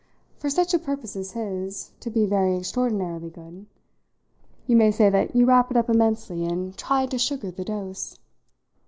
for such a purpose as his to be very extraordinarily good. You may say that you wrap it up immensely and try to sugar the dose!